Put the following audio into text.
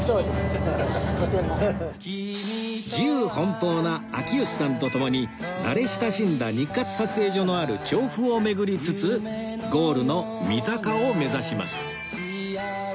自由奔放な秋吉さんと共に慣れ親しんだ日活撮影所のある調布を巡りつつゴールの三鷹を目指します